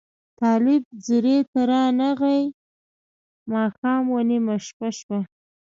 طالب ځیري ته رانغلې ماښام و نیمه شپه شوه